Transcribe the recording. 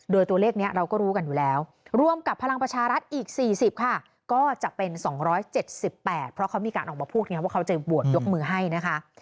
โดยตัวเลขนี้เราก็รู้กันอยู่แล้วรวมกับพลังประชารัฐอีก๔๐ค่ะก็จะเป็น๒๗๘เพราะเขามีการออกมาพูดไงว่าเขาจะโหวตยกมือให้นะคะ